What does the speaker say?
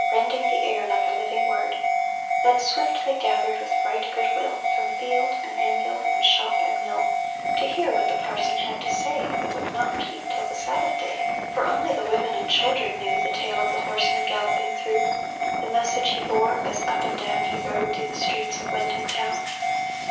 Rending the air like a living word ! Then swift they gathered with right good will From field and anvil and shop and mill. To hear what the parson had to say That would not keep till the Sabbath day. 346 THE PARSON'S DAUGHTER For only the women and children knew The tale of the horsemen galloping through — The message he bore as up and down He rode through the streets of Windham town.